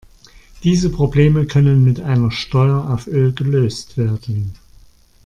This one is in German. Diese Probleme können mit einer Steuer auf Öl gelöst werden.